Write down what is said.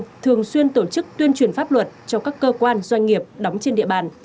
công tác năng thường xuyên tổ chức tuyên truyền pháp luật cho các cơ quan doanh nghiệp đóng trên địa bàn